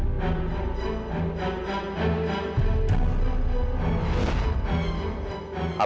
tidak ada yang bisa mengaku